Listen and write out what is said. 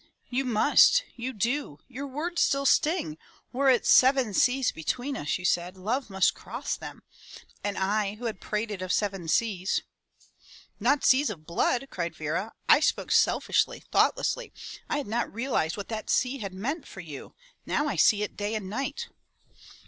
"You must! You do. Your words still sting. *Were it seven seas between us,' you said, love must cross them.' And I — I who had prated of seven seas —" "Not seas of blood," cried Vera." I spoke selfishly, thought lessly. I had not realized what that sea had meant for you. Now I see it day and night."